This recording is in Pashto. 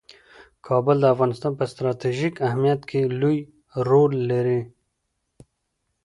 کابل د افغانستان په ستراتیژیک اهمیت کې لوی رول لري.